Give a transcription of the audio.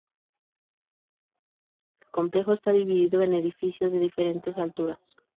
El complejo está dividido en edificios de diferentes alturas.